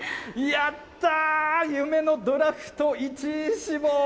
やったー、夢のドラフト１位志望。